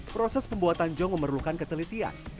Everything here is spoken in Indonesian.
proses pembuatan jong memerlukan ketelitian